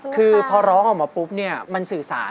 คือพอร้องออกมาปุ๊บเนี่ยมันสื่อสาร